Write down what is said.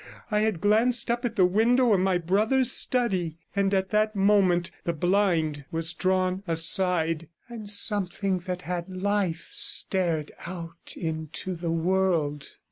I had glanced up at the window of my brother's study, and at that moment the blind was drawn aside, and something that had life stared out into the world.